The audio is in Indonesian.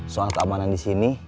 soal keamanan di sini